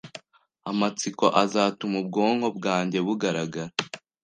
Amatsiko azatuma ubwonko bwanjye bugaragara,